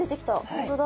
本当だ。